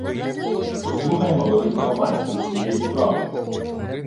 Послухаймо великого майстра «цієї справи»: